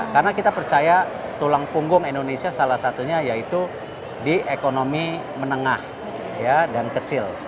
karena kita percaya tulang punggung indonesia salah satunya yaitu di ekonomi menengah dan kecil